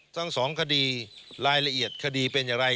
ทั้งสองคดีรายละเอียดคดีเป็นอย่างไร